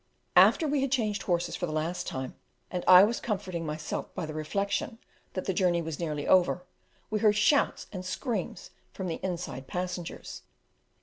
After we had changed horses for the last time, and I was comforting myself by the reflection that the journey was nearly over, we heard shouts and screams from the inside passengers.